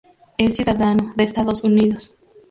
Es ciudadano de Estados Unidos.